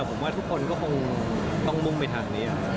ผมว่าทุกคนก็คงต้องมุ่งไปทางนี้